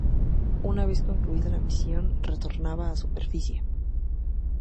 Una vez concluida la misión, retornaba a superficie.